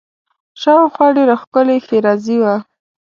شاوخوا ډېره ښکلې ښېرازي وه.